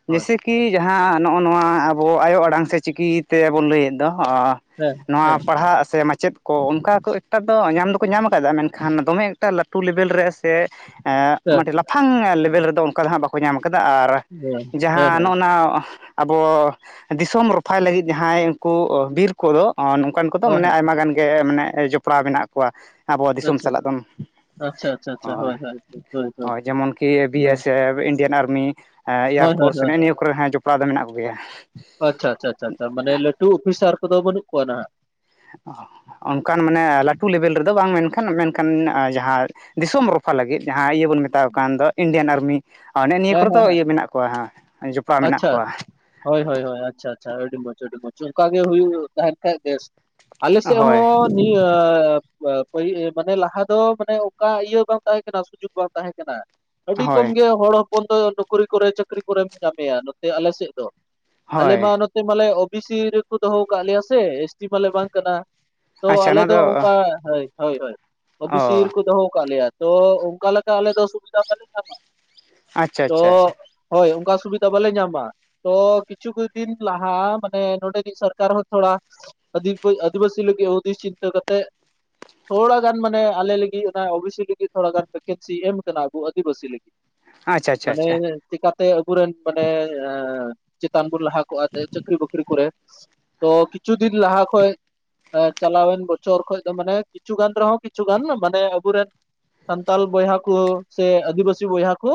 ᱦᱳᱭ ᱡᱮᱥᱮ ᱠᱤ ᱡᱟᱦᱟᱸ ᱱᱚᱜᱼᱚ ᱱᱚᱣᱟ ᱟᱵᱚ ᱟᱭᱳ ᱟᱲᱟᱝ ᱥᱮ ᱪᱤᱠᱤ ᱛᱮᱵᱚᱱ ᱞᱟᱹᱭᱮᱫ ᱫᱚ, ᱦᱮᱸ ᱦᱮᱸ ᱱᱚᱣᱟ ᱯᱟᱲᱦᱟᱜ ᱥᱮ ᱢᱟᱪᱮᱫ ᱠᱚ ᱚᱱᱠᱟ ᱠᱚ ᱮᱠᱴᱟ ᱫᱚ ᱧᱟᱢ ᱫᱚᱠᱚ ᱧᱟᱢ ᱟᱠᱟᱫᱟ ᱢᱮᱱᱠᱷᱟᱱ ᱫᱚᱢᱮ ᱮᱠᱴᱟ ᱞᱟᱹᱴᱩ ᱞᱮᱵᱮᱞ ᱨᱮ ᱥᱮ ᱦᱮᱸ ᱟᱹᱰᱤ ᱞᱟᱯᱷᱟᱝ ᱞᱮᱵᱮᱞ ᱨᱮᱫᱚ ᱚᱱᱠᱟ ᱫᱚ ᱦᱟᱸᱜ ᱵᱟᱠᱚ ᱧᱟᱢ ᱠᱟᱫᱟ ᱟᱨ ᱦᱮᱸ ᱦᱮᱸ ᱡᱟᱦᱟᱸ ᱦᱮᱸ ᱱᱚᱜᱼᱚ ᱱᱟ ᱟᱵᱚ ᱫᱤᱥᱚᱢ ᱨᱚᱯᱷᱟᱭ ᱞᱟᱹᱜᱤᱫ ᱡᱟᱦᱟᱸᱭ ᱩᱱᱠᱩ ᱵᱤᱨ ᱠᱚᱫᱚ ᱱᱚᱝᱠᱟᱱ ᱠᱚᱫᱚ ᱦᱳᱭ ᱢᱟᱱᱮ ᱦᱳᱭ ᱟᱭᱢᱟ ᱜᱟᱱ ᱜᱮ ᱢᱟᱱᱮ ᱡᱚᱯᱲᱟᱣ ᱢᱮᱱᱟᱜ ᱟᱵᱚ ᱫᱤᱥᱚᱢ ᱟᱪᱪᱷᱟ ᱥᱟᱞᱟᱜ ᱫᱚ ᱦᱳᱭ᱾ ᱦᱳᱭ ᱡᱮᱢᱚᱱ ᱠᱮ ᱵᱤ ᱦᱳᱭ ᱮᱥ ᱥᱮᱯᱷ ᱤᱱᱰᱤᱭᱟᱱ ᱟᱨᱢᱤ ᱦᱳᱭ ᱦᱳᱭ ᱮᱭᱟᱨᱯᱷᱳᱨᱥ ᱦᱳᱭ ᱱᱮᱜᱼᱮ ᱱᱤᱭᱟᱹ ᱠᱚᱨᱮ ᱦᱮᱸ ᱡᱚᱯᱲᱟᱣ ᱫᱚ ᱢᱮᱱᱟᱜ ᱠᱚᱜᱮᱭᱟ᱾ ᱟᱪᱪᱷᱟ ᱟᱪᱪᱷᱟ ᱟᱪᱪᱷᱟ ᱢᱟᱱᱮ ᱞᱟᱹᱴᱩ ᱚᱯᱷᱤᱥᱟᱨ ᱠᱚᱫᱚ ᱵᱟᱹᱱᱩᱜ ᱠᱚᱣᱟ ᱱᱟᱦᱟᱜ? [unintelligible] ᱚᱱᱠᱟᱱ ᱢᱟᱱᱮ ᱞᱟᱹᱴᱩ ᱞᱮᱵᱮᱞ ᱨᱮᱫᱚ ᱵᱟᱝ ᱢᱮᱱᱠᱷᱟᱱ ᱢᱮᱱᱠᱷᱟᱱ ᱡᱟᱦᱟᱸ ᱫᱤᱥᱚᱢ ᱨᱚᱯᱷᱟ ᱞᱟᱹᱜᱤᱫ ᱡᱟᱦᱟᱸ ᱤᱭᱟᱹ ᱵᱚᱱ ᱢᱮᱛᱟᱣ ᱠᱟᱱ ᱫᱚ ᱤᱱᱰᱤᱭᱟᱱ ᱟᱨᱢᱤ᱾ ᱚᱱᱮ ᱱᱤᱭᱟᱹ ᱦᱮᱸ ᱠᱚᱨᱮ ᱫᱚ ᱦᱮᱸ ᱦᱮᱸ ᱤᱭᱟᱹ ᱢᱮᱱᱟᱜ ᱠᱚᱣᱟ ᱦᱮᱸ ᱡᱚᱯᱲᱟᱣ ᱢᱮᱱᱟᱜ ᱟᱪᱪᱷᱟ ᱠᱚᱣᱟ᱾ ᱦᱳᱭ ᱦᱳᱭ ᱦᱳᱭ ᱟᱪᱪᱷᱟ ᱟᱪᱪᱷᱟ ᱟᱹᱰᱤ ᱢᱚᱸᱡᱽ ᱟᱹᱰᱤ ᱢᱚᱸᱡᱽ ᱚᱱᱠᱟ ᱜᱮ ᱦᱩᱭᱩᱜ ᱛᱟᱦᱮᱱ ᱠᱷᱟᱡ ᱵᱮᱥ᱾ ᱟᱞᱮ ᱥᱮᱜ ᱦᱳᱭ ᱦᱚᱸ ᱤᱭᱟᱹ ᱢᱟᱱᱮ ᱞᱟᱦᱟ ᱫᱚ ᱢᱟᱱᱮ ᱚᱱᱠᱟ ᱤᱭᱟᱹ ᱵᱟᱝ ᱛᱟᱦᱮᱸ ᱠᱟᱱᱟ ᱥᱩᱡᱳᱜ ᱵᱟᱝ ᱛᱟᱦᱮᱸ ᱠᱟᱱᱟ᱾ ᱟᱹᱰᱤ ᱦᱳᱭ ᱠᱚᱢᱜᱮ ᱦᱚᱲ ᱦᱚᱯᱚᱱ ᱫᱚ ᱱᱚᱠᱨᱤ ᱠᱚᱨᱮ ᱪᱟᱹᱠᱨᱤ ᱠᱚᱨᱮᱢ ᱧᱟᱢᱮᱭᱟ ᱱᱚᱛᱮ ᱟᱞᱮ ᱥᱮᱫ ᱫᱚ ᱟᱞᱮ ᱦᱳᱭ ᱢᱟ ᱱᱚᱛᱮ ᱢᱟᱞᱮ ᱳᱵᱤᱥᱤ ᱨᱮᱠᱚ ᱫᱚᱦᱚ ᱠᱟᱜ ᱞᱮᱭᱟ ᱥᱮ ᱮᱥᱴᱤ ᱢᱟᱞᱮ ᱵᱟᱝ ᱠᱟᱱᱟ ᱛᱚ ᱟᱪᱪᱷᱟ ᱟᱞᱮ ᱱᱚᱣᱟ ᱫᱚ ᱚᱱᱠᱟ ᱦᱟᱭ ᱦᱳᱭ ᱦᱳᱭ ᱳᱵᱤᱥᱤ ᱚ ᱨᱮᱠᱚ ᱫᱚᱦᱚ ᱠᱟᱜ ᱞᱮᱭᱟ ᱛᱚ ᱚᱱᱠᱟ ᱞᱮᱠᱟ ᱟᱞᱮ ᱫᱚ ᱥᱩᱵᱤᱫᱷᱟ ᱵᱟᱞᱮ ᱧᱟᱢᱟ ᱟᱪᱪᱷᱟ ᱛᱚ ᱟᱪᱪᱷᱟ ᱟᱪᱪᱷᱟ ᱦᱳᱭ ᱚᱱᱠᱟ ᱥᱩᱵᱤᱫᱷᱟ ᱵᱟᱞᱮ ᱧᱟᱢᱟ ᱛᱚ ᱠᱤᱪᱷᱩᱠ ᱫᱤᱱ ᱞᱟᱦᱟ ᱢᱟᱱᱮ ᱱᱚᱰᱮᱱᱤᱡ ᱥᱚᱨᱠᱟᱨ ᱦᱚᱸ ᱛᱷᱚᱲᱟ ᱟᱹᱫᱤ ᱠᱩᱡ ᱟᱹᱫᱤᱵᱟᱹᱥᱤ ᱞᱟᱹᱜᱤᱜ ᱦᱩᱫᱤᱥ ᱪᱤᱱᱛᱟᱹ ᱠᱟᱛᱮ ᱛᱷᱚᱲᱟ ᱜᱟᱱ ᱢᱟᱱᱮ ᱟᱞᱮ ᱞᱟᱹᱜᱤᱫ ᱚᱱᱟ ᱳᱵᱤᱥᱤ ᱞᱟᱹᱜᱤᱫ ᱛᱷᱚᱲᱟ ᱜᱟᱱ ᱵᱷᱮᱠᱮᱱᱥᱤᱭ ᱮᱢ ᱟᱠᱟᱱᱟ ᱟᱵᱩ ᱟᱹᱫᱤᱵᱟᱹᱥᱤ ᱞᱟᱹᱜᱤᱫ ᱟᱪᱪᱷᱟ ᱟᱪᱪᱷᱟ ᱢᱟᱱᱮ ᱟᱪᱪᱷᱟ ᱪᱤᱠᱟᱛᱮ ᱟᱵᱩᱨᱮᱱ ᱢᱟᱱᱮ ᱪᱮᱛᱟᱱ ᱵᱚᱱ ᱞᱟᱦᱟ ᱠᱚᱜᱼᱟ ᱪᱟᱹᱠᱨᱤ ᱵᱟᱹᱠᱨᱤ ᱠᱚᱨᱮ ᱛᱚ ᱠᱤᱪᱷᱩ ᱫᱤᱱ ᱞᱟᱦᱟ ᱠᱷᱚᱡᱽ ᱪᱟᱞᱟᱣᱮᱱ ᱵᱚᱪᱷᱚᱨ ᱠᱷᱚᱡᱽ ᱫᱚ ᱢᱟᱱᱮ ᱠᱤᱪᱷᱩ ᱜᱟᱱ ᱨᱮᱦᱚᱸ ᱠᱤᱪᱷᱩ ᱜᱟᱱ ᱢᱟᱱᱮ ᱟᱵᱩᱨᱮᱱ ᱥᱟᱱᱛᱟᱞ ᱵᱚᱭᱦᱟ ᱠᱚ ᱥᱮ ᱟᱹᱫᱤᱵᱟᱹᱥᱤ ᱵᱚᱭᱦᱟ ᱠᱩ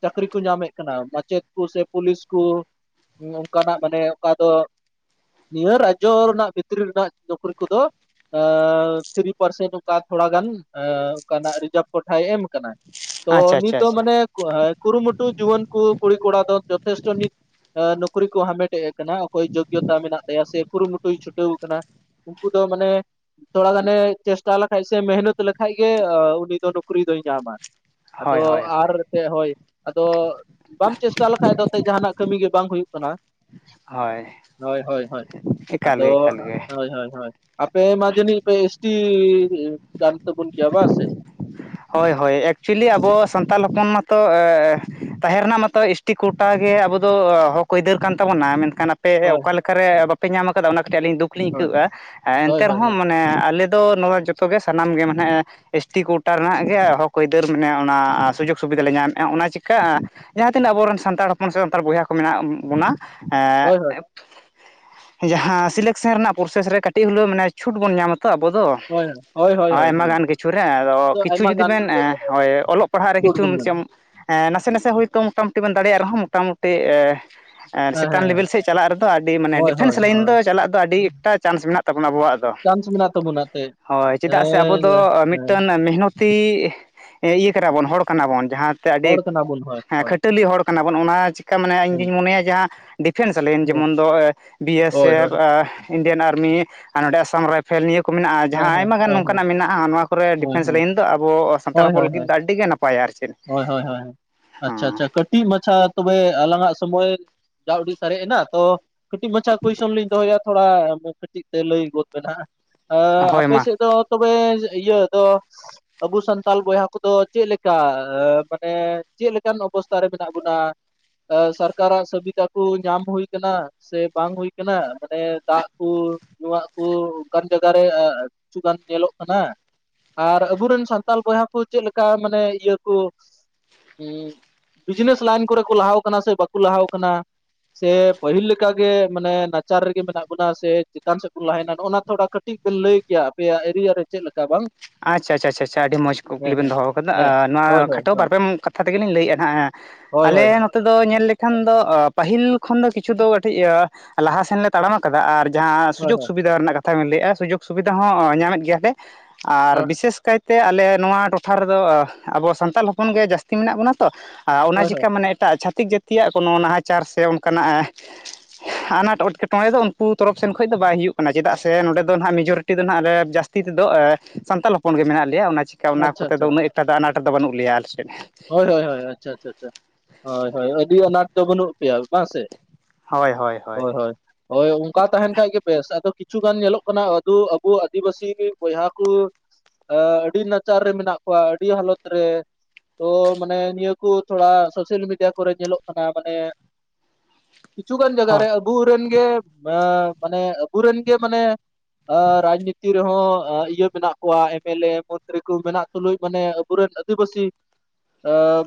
ᱪᱟᱹᱠᱨᱤ ᱠᱚ ᱧᱟᱢᱮᱜ ᱠᱟᱱᱟ ᱢᱟᱪᱮᱫ ᱠᱩ ᱥᱮ ᱯᱩᱞᱤᱥ ᱠᱩ ᱚᱱᱠᱟᱱᱟᱜ ᱢᱟᱱᱮ ᱚᱠᱟ ᱫᱚ ᱱᱤᱭᱟᱹ ᱨᱟᱡᱡᱚ ᱨᱮᱱᱟᱜ ᱵᱷᱤᱛᱨᱤ ᱨᱮᱱᱟᱜ ᱱᱩᱠᱨᱤ ᱠᱚᱫᱚ ᱛᱷᱨᱤ ᱯᱟᱨᱥᱮᱱ ᱚᱱᱠᱟ ᱛᱷᱚᱲᱟ ᱜᱟᱱ ᱚᱱᱠᱟᱱᱟᱜ ᱨᱤᱡᱟᱵᱷ ᱠᱚᱴᱷᱟᱭ ᱮᱢ ᱠᱟᱱᱟ ᱛᱚ ᱟᱪᱪᱷᱟ ᱱᱤᱛ ᱟᱪᱪᱷᱟ ᱫᱚ ᱟᱪᱪᱷᱟ ᱢᱟᱱᱮ ᱠᱩᱨᱩᱢᱩᱴᱩ ᱡᱩᱣᱟᱹᱱ ᱠᱩ ᱠᱩᱲᱤ ᱠᱚᱲᱟ ᱫᱚ ᱡᱚᱛᱷᱮᱥᱴᱚ ᱱᱤᱛ ᱱᱩᱠᱨᱤ ᱠᱚ ᱦᱟᱢᱮᱴᱮᱜ ᱠᱟᱱᱟ ᱚᱠᱚᱭ ᱡᱳᱜᱚᱛᱟ ᱢᱮᱱᱟᱜ ᱛᱟᱭᱟ ᱥᱮ ᱠᱩᱨᱩᱢᱩᱴᱩᱭ ᱪᱷᱩᱴᱟᱹᱣ ᱠᱟᱱᱟ ᱩᱱᱠᱩ ᱫᱚ ᱢᱟᱱᱮ ᱛᱷᱚᱲᱟ ᱜᱟᱱᱮ ᱪᱮᱥᱴᱟ ᱞᱮᱠᱷᱟᱡᱽ ᱥᱮ ᱢᱮᱦᱱᱚᱛ ᱞᱮᱠᱷᱟᱡᱽ ᱜᱮ ᱩᱱᱤ ᱫᱚ ᱱᱩᱠᱨᱤ ᱫᱚᱭ ᱧᱟᱢᱟ ᱦᱳᱭ ᱟᱫᱚ ᱦᱳᱭ ᱦᱳᱭ ᱟᱨ ᱜᱮ ᱦᱳᱭ ᱟᱫᱚ ᱵᱟᱢ ᱪᱮᱥᱴᱟ ᱞᱮᱠᱷᱟᱡᱽ ᱫᱚ ᱛᱮᱡ ᱡᱟᱦᱟᱱᱟᱜ ᱠᱟᱹᱢᱤ ᱜᱮ ᱵᱟᱝ ᱦᱩᱭᱩᱜ ᱠᱟᱱᱟ ᱦᱳᱭ ᱦᱳᱭ ᱦᱳᱭ ᱦᱳᱭ ᱮᱠᱟᱞ ᱟᱫᱚ ᱜᱮ ᱮᱠᱟᱞ ᱜᱮ ᱦᱳᱭ ᱦᱳᱭ ᱦᱳᱭ ᱟᱯᱮ ᱢᱟ ᱡᱟᱹᱱᱤᱡᱽ ᱯᱮ ᱮᱥᱴᱤ ᱠᱟᱱ ᱛᱟᱵᱩᱱ ᱜᱮᱭᱟ ᱵᱟ ᱥᱮ ᱦᱳᱭ ᱦᱳᱭ ᱮᱠᱪᱩᱭᱮᱞᱤ ᱟᱵᱚ ᱥᱟᱱᱛᱟᱲ ᱦᱚᱯᱚᱱ ᱢᱟᱛᱚ ᱛᱟᱦᱮᱸ ᱨᱮᱱᱟᱜ ᱢᱟᱛᱚ ᱮᱥ ᱴᱤ ᱠᱳᱴᱟ ᱜᱮ ᱟᱵᱚ ᱫᱚ ᱦᱚᱠ ᱟᱹᱭᱫᱟᱹᱨ ᱠᱟᱱ ᱛᱟᱵᱚᱱᱟ ᱢᱮᱱᱠᱷᱟᱱ ᱯᱮ ᱦᱳᱭ ᱚᱠᱟ ᱞᱮᱠᱟᱨᱮ ᱵᱟᱯᱮ ᱧᱟᱢ ᱟᱠᱟᱫᱟ ᱚᱱᱟ ᱠᱟᱹᱴᱤᱡᱽ ᱟᱹᱞᱤᱧ ᱫᱩᱠᱷ ᱞᱤᱧ ᱟᱹᱭᱠᱟᱹᱣ ᱦᱳᱭ ᱮᱜᱼᱟ ᱦᱳᱭ ᱮᱱᱛᱮ ᱦᱳᱭ ᱨᱮᱦᱚᱸ ᱢᱟᱱᱮ ᱟᱞᱮ ᱫᱚ ᱱᱚᱣᱟ ᱡᱚᱛᱚ ᱜᱮ ᱥᱟᱱᱟᱢ ᱜᱮ ᱢᱟᱱᱮ ᱮᱥ ᱴᱤ ᱠᱳᱴᱟ ᱨᱮᱱᱟᱜ ᱜᱮ ᱦᱚᱠ ᱟᱹᱭᱫᱟᱹᱨ ᱢᱟᱱᱮ ᱚᱱᱟ ᱥᱩᱡᱳᱜᱽ ᱥᱩᱵᱤᱫᱷᱟ ᱞᱮ ᱧᱟᱢᱮᱜᱼᱟ ᱚᱱᱟ ᱪᱤᱠᱟᱜᱼᱟ ᱡᱟᱦᱟᱸ ᱛᱤᱱᱟᱹᱜ ᱟᱵᱚ ᱨᱮᱱ ᱥᱟᱱᱛᱟᱲ ᱦᱚᱯᱚᱱ ᱥᱮ ᱥᱟᱱᱛᱟᱲ ᱵᱚᱭᱦᱟ ᱠᱚ ᱢᱮᱱᱟᱜ ᱵᱚᱱᱟ ᱦᱳᱭ ᱦᱳᱭ ᱮᱜ ᱡᱟᱦᱟ ᱥᱤᱞᱮᱠᱥᱮᱱ ᱨᱮᱱᱟᱜ ᱯᱨᱚᱥᱮᱥ ᱨᱮ ᱠᱟᱹᱴᱤᱡᱽ ᱦᱳᱞᱳ ᱢᱟᱱᱮ ᱪᱷᱩᱴ ᱵᱚᱱ ᱧᱟᱢᱟ ᱛᱚ ᱟᱵᱩ ᱫᱚ ᱦᱳᱭ ᱦᱳᱭ ᱦᱳᱭ ᱟᱭᱢᱟ ᱦᱳᱭ ᱜᱟᱱ ᱠᱤᱪᱷᱩ ᱨᱮ ᱟᱫᱚ ᱛᱚ ᱠᱤᱪᱷᱩ ᱟᱭᱢᱟ ᱡᱩᱫᱤ ᱜᱟᱱ ᱵᱮᱱ ᱤᱭᱟᱹ ᱨᱮ ᱦᱳᱭ ᱚᱞᱚᱜ ᱯᱟᱲᱦᱟᱜ ᱨᱮ ᱪᱷᱩᱴ ᱠᱤᱪᱷᱩ ᱵᱚᱱ ᱧᱟᱢᱟ ᱮᱸ ᱱᱟᱥᱮ ᱱᱟᱥᱮ ᱦᱳᱭᱛᱚ ᱢᱚᱴᱟᱢᱩᱴᱤ ᱵᱮᱱ ᱫᱟᱲᱮᱭᱟᱜ ᱨᱮᱦᱚᱸ ᱢᱚᱴᱟᱢᱩᱴᱤ ᱦᱮᱸ ᱪᱮᱛᱟᱱ ᱦᱮᱸ ᱞᱮᱵᱮᱞ ᱥᱮᱫ ᱪᱟᱞᱟᱜ ᱨᱮᱫᱚ ᱟᱹᱰᱤ ᱢᱟᱱᱮ ᱦᱳᱭ ᱦᱳᱭ ᱰᱤᱯᱷᱮᱱᱥ ᱞᱟᱭᱤᱱ ᱦᱳᱭ ᱫᱚ ᱪᱟᱞᱟᱜ ᱫᱚ ᱟᱹᱰᱤ ᱮᱠᱴᱟ ᱪᱟᱱᱥ ᱢᱮᱱᱟᱜ ᱛᱟᱵᱚᱱᱟ ᱟᱵᱚᱣᱟᱜ ᱫᱚ ᱪᱟᱱᱥ ᱢᱮᱱᱟᱜ ᱛᱟᱵᱚᱱᱟ ᱛᱮ ᱦᱳᱭ ᱪᱮᱫᱟᱜ ᱦᱮᱸ ᱥᱮ ᱟᱵᱚ ᱫᱚ ᱦᱮᱸ ᱢᱤᱫᱴᱟᱹᱱ ᱢᱮᱦᱱᱚᱛᱤ ᱤᱭᱟᱹ ᱠᱟᱱᱟᱵᱚᱱ ᱦᱚᱲ ᱠᱟᱱᱟᱵᱚᱱ ᱡᱟᱦᱟᱸ ᱛᱮ ᱟᱹᱰᱤ ᱦᱚᱲ ᱠᱟᱱᱟ ᱵᱚᱱ ᱦᱳᱭ ᱦᱮᱸ ᱦᱳᱭ ᱠᱷᱟᱹᱴᱟᱹᱞᱤ ᱦᱚᱲ ᱠᱟᱱᱟ ᱵᱚᱱ ᱚᱱᱟ ᱪᱤᱠᱟ ᱢᱟᱱᱮ ᱤᱧ ᱫᱩᱧ ᱢᱚᱱᱮᱭᱟ ᱡᱟᱦᱟᱸ ᱰᱤᱯᱷᱮᱱᱥ ᱞᱟᱭᱤᱱ ᱦᱳᱭ ᱡᱮᱢᱚᱱ ᱫᱚ ᱵᱤ ᱮᱥ ᱦᱳᱭ ᱮᱯᱷ ᱦᱳᱭ ᱤᱱᱰᱤᱭᱟᱱ ᱟᱨᱢᱤ ᱟᱨ ᱱᱚᱰᱮ ᱟᱥᱟᱢ ᱨᱟᱭ ᱯᱷᱮᱞ ᱱᱤᱭᱟᱹ ᱠᱚ ᱢᱮᱱᱟᱜᱼᱟ ᱦᱮᱸ ᱡᱟᱦᱟᱸ ᱦᱮᱸ ᱟᱭᱢᱟᱜᱟᱱ ᱦᱳᱭ ᱱᱚ ᱚᱱᱠᱟᱱᱟᱜ ᱢᱮᱱᱟᱜᱼᱟ ᱱᱚᱣᱟ ᱠᱚᱨᱮ ᱦᱳᱭ ᱦᱳᱭ ᱰᱤᱯᱷᱮᱱᱥ ᱞᱟᱭᱤᱱ ᱫᱚ ᱟᱵᱚ ᱥᱟᱱᱛᱟᱲ ᱦᱳᱭ ᱦᱳᱭ ᱦᱚᱯᱚᱱ ᱦᱳᱭ ᱞᱟᱹᱜᱤᱫ ᱫᱚ ᱟᱹᱰᱤᱜᱮ ᱱᱟᱯᱟᱭᱟ ᱟᱨ ᱪᱮᱫ ᱦᱳᱭ ᱦᱳᱭ ᱦᱳᱭ ᱟᱪᱪᱷᱟ ᱦᱮᱸ ᱟᱪᱪᱷᱟ ᱠᱟᱹᱴᱤᱡᱽ ᱢᱟᱪᱷᱟ ᱛᱚᱵᱮ ᱟᱞᱟᱝ ᱟᱜ ᱥᱚᱢᱚᱭ ᱡᱟ ᱩᱰᱤᱡᱽ ᱥᱟᱨᱮᱡ ᱮᱱᱟ ᱛᱚ ᱠᱟᱹᱴᱤᱡᱽ ᱢᱟᱪᱷᱟ ᱠᱩᱭᱥᱚᱱ ᱞᱤᱧ ᱫᱚᱦᱚᱭᱮᱜᱼᱟ ᱛᱷᱚᱲᱟ ᱠᱟᱹᱴᱤᱡᱽ ᱛᱮ ᱞᱟᱹᱭ ᱜᱚᱫ ᱵᱮᱱ ᱦᱮᱸ ᱦᱳᱭ ᱟᱯᱮ ᱢᱟ ᱥᱮᱫ ᱫᱚ ᱛᱚᱵᱮ ᱤᱭᱟᱹ ᱫᱚ ᱟᱵᱩ ᱥᱟᱱᱛᱟᱞ ᱵᱚᱭᱦᱟ ᱠᱚᱫᱚ ᱪᱮᱫ ᱞᱮᱠᱟ ᱢᱟᱱᱮ ᱪᱮᱫ ᱞᱮᱠᱟᱱ ᱚᱵᱚᱥᱛᱟ ᱨᱮ ᱢᱮᱱᱟᱜ ᱵᱚᱱᱟ ᱥᱟᱨᱠᱟᱨᱟᱜ ᱥᱩᱵᱤᱫᱷᱟ ᱠᱚ ᱧᱟᱢ ᱦᱩᱭ ᱠᱟᱱᱟ ᱥᱮ ᱵᱟᱝ ᱦᱩᱭ ᱟᱠᱟᱱᱟ ᱢᱟᱱᱮ ᱫᱟᱜᱽ ᱠᱩ ᱧᱩᱣᱟᱜ ᱠᱩ ᱚᱱᱠᱟ ᱡᱟᱣᱜᱟ ᱨᱮ ᱠᱤᱪᱷᱩ ᱜᱟᱱ ᱧᱮᱞᱚᱜ ᱠᱟᱱᱟ ᱟᱨ ᱟᱵᱚᱨᱮᱱ ᱥᱟᱱᱛᱟᱲ ᱵᱚᱭᱦᱟ ᱠᱚ ᱪᱮᱫ ᱞᱮᱠᱟ ᱢᱟᱱᱮ ᱤᱭᱟᱹ ᱠᱚ ᱦᱮ ᱵᱤᱜᱮᱱᱮᱥ ᱞᱟᱭᱤᱱ ᱠᱚᱨᱮ ᱠᱚ ᱞᱟᱦᱟᱣ ᱠᱟᱱᱟ ᱥᱮ ᱵᱟᱠᱚ ᱞᱟᱦᱟᱣ ᱠᱟᱱᱟ ᱥᱮ ᱯᱟᱹᱦᱤᱞ ᱞᱮ ᱞᱮᱠᱟᱜ ᱜᱮ ᱢᱟᱱᱮ ᱱᱟᱪᱟᱨ ᱨᱮᱜᱮ ᱢᱮᱱᱟᱜ ᱵᱚᱱᱟ ᱥᱮ ᱪᱮᱛᱟᱱ ᱥᱮᱫ ᱵᱚᱱ ᱞᱟᱦᱱᱟ ᱱᱚᱜ ᱱᱟ ᱛᱷᱚᱲᱟ ᱠᱟᱹᱴᱤᱡ ᱠᱟᱹᱴᱤᱡ ᱵᱮᱱ ᱞᱟᱹᱭ ᱠᱮᱭᱟ ᱟᱯᱮᱭᱟᱜ ᱮᱨᱤᱭᱟ ᱨᱮ ᱪᱮᱫ ᱞᱮᱠᱟ ᱵᱟᱝ ᱟᱪᱪᱷᱟ ᱟᱪᱪᱷᱟ ᱟᱹᱰᱤ ᱢᱚᱡᱽ ᱠᱩᱠᱞᱤ ᱦᱮᱸ ᱵᱮᱱ ᱦᱮᱸ ᱫᱚᱦᱚ ᱟᱠᱟᱫᱟ ᱦᱮᱸ ᱦᱳᱭ ᱱᱚᱣᱟ ᱦᱳᱭ ᱠᱷᱟᱴᱟᱹᱣ ᱵᱟᱨᱯᱮ ᱠᱟᱛᱷᱟ ᱛᱮᱜᱮᱞᱤᱧ ᱞᱟᱹᱭᱮᱫᱼᱟ ᱦᱟᱜ ᱦᱳᱭ ᱦᱳᱭ ᱧᱮᱞ ᱞᱮᱠᱷᱟᱱ ᱫᱚ ᱯᱟᱹᱦᱤᱞ ᱠᱷᱚᱱ ᱫᱚ ᱠᱤᱪᱷᱩ ᱫᱚ ᱠᱟᱹᱴᱤᱡ ᱞᱟᱦᱟ ᱥᱮᱱ ᱛᱟᱲᱟᱢ ᱟᱠᱟᱫᱟ ᱟᱨ ᱡᱟᱦᱟᱸ ᱦᱳᱭ ᱥᱩᱡᱳᱜᱽ ᱦᱳᱭ ᱥᱩᱵᱤᱫᱷᱟ ᱨᱮᱱᱟᱜ ᱠᱟᱛᱷᱟ ᱵᱮᱱ ᱞᱟᱹᱭᱮᱜᱼᱟ ᱥᱩᱡᱳᱜᱽ ᱥᱩᱵᱤᱫᱷᱟ ᱦᱚᱸ ᱧᱟᱢᱮᱫ ᱜᱮᱭᱟᱞᱮ ᱟᱨ ᱦᱳᱭ ᱵᱤᱥᱮᱥ ᱠᱟᱭᱛᱮ ᱛᱮ ᱟᱞᱮ ᱱᱚᱣᱟ ᱴᱚᱴᱷᱟ ᱨᱮᱫᱚ ᱟᱵᱚ ᱥᱟᱱᱛᱟᱲ ᱦᱚᱯᱚᱱ ᱜᱮ ᱡᱟᱹᱥᱛᱤ ᱢᱮᱱᱟᱜ ᱵᱚᱱᱟ ᱛᱚ ᱟᱨ ᱚᱱᱟ ᱦᱳᱭ ᱦᱳᱭ ᱪᱮᱠᱟ ᱢᱟᱱᱮ ᱮᱴᱟᱜ ᱪᱷᱟᱛᱤᱠ ᱡᱟᱹᱛᱤᱭᱟᱜ ᱠᱳᱱᱳ ᱱᱟᱦᱟᱪᱟᱨ ᱥᱮ ᱚᱱᱠᱟᱱᱟᱜ ᱟᱱᱟᱴ ᱮᱴᱠᱮᱴᱚᱬᱮ ᱫᱚ ᱩᱱᱠᱩ ᱛᱚᱨᱚᱯ ᱥᱮᱱ ᱠᱷᱚᱱᱚᱡ ᱫᱚ ᱵᱟᱭ ᱦᱩᱭᱩᱜ ᱠᱟᱱᱟ ᱪᱮᱫᱟᱜ ᱥᱮ ᱱᱚᱸᱰᱮ ᱫᱚ ᱱᱟᱦᱟᱜ ᱢᱮᱡᱚᱨᱤᱴᱤ ᱫᱚ ᱱᱟᱦᱟᱜᱞᱮ ᱡᱟᱹᱥᱛᱤ ᱛᱮᱫᱚ ᱥᱟᱱᱛᱟᱲ ᱦᱚᱯᱚᱱ ᱜᱮ ᱢᱮᱱᱟᱜ ᱞᱮᱭᱟ ᱚᱱᱟ ᱪᱤᱠᱠᱟ ᱚᱱᱟ ᱟᱪᱪᱷᱟ ᱠᱚᱛ ᱟᱪᱪᱷᱟ ᱫᱚ ᱩᱱᱟᱹᱜ ᱮᱠᱴᱟ ᱫᱚ ᱟᱱᱟᱴᱟ ᱫᱚ ᱵᱟᱹᱱᱩᱜ ᱞᱮᱭᱟ ᱟᱞᱮᱥᱮᱫ ᱫᱚ ᱦᱳᱭ ᱦᱳᱭ ᱦᱳᱭ ᱟᱪᱪᱷᱟ ᱟᱪᱪᱷᱟ ᱟᱪᱪᱷᱟ ᱦᱳᱭ ᱦᱳᱭ ᱟᱹᱰᱤ ᱟᱱᱟᱴ ᱫᱚ ᱵᱟᱹᱱᱩᱜ ᱯᱮᱭᱟ ᱵᱟᱝ ᱥᱮ ᱦᱳᱭ ᱦᱳᱭ ᱦᱳᱭ ᱚᱱᱠᱟ ᱛᱟᱦᱮᱱ ᱠᱷᱟᱱᱡ ᱜᱮ ᱵᱮᱥ ᱟᱫᱚ ᱠᱤᱪᱷᱩ ᱜᱟᱱ ᱧᱮᱞᱚᱜ ᱠᱟᱱᱟ ᱟᱵᱩ ᱟᱹᱫᱤᱵᱟᱟᱹᱥᱤ ᱵᱚᱭᱦᱟ ᱠᱚ ᱟᱹᱰᱤ ᱱᱟᱪᱟᱨ ᱨᱮ ᱢᱮᱱᱟᱜ ᱠᱚᱣᱟ ᱟᱹᱰᱤ ᱦᱟᱞᱚᱛ ᱨᱮ ᱛᱚ ᱢᱟᱱᱮ ᱱᱤᱭᱟᱹ ᱠᱚ ᱛᱷᱚᱲᱟ ᱥᱳᱥᱟᱞ ᱢᱤᱰᱤᱭᱟ ᱠᱚᱨᱮ ᱧᱮᱞᱚᱜ ᱠᱟᱱᱟ ᱢᱟᱱᱮ ᱠᱤᱪᱷᱩᱜᱟᱱ ᱡᱟᱭᱜᱟ ᱦᱳᱭ ᱨᱮ ᱟᱵᱚ ᱨᱮᱱ ᱜᱮ ᱢᱟᱱᱮ ᱟᱵᱚ ᱨᱮᱱ ᱜᱮ ᱢᱟᱱᱮ ᱨᱟᱡᱽᱱᱤᱛᱤ ᱨᱮᱦᱚᱸ ᱤᱭᱟᱹ ᱢᱮᱱᱟᱜ ᱠᱚᱣᱟ ᱮᱢ ᱮᱞ ᱮ ᱢᱚᱱᱛᱨᱤ ᱠᱚ ᱢᱮᱱᱟᱜ ᱠᱚᱣᱟ ᱛᱩᱞᱩᱭ ᱢᱟᱱᱮ ᱟᱵᱚᱨᱮᱱ ᱟᱹᱫᱤᱵᱟᱹᱥᱤ